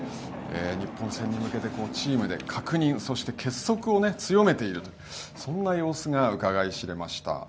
日本戦に向けてチームで確認、そして結束を強めているとそんな様子がうかがい知れました。